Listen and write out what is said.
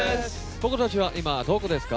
僕たちは今、どこですか？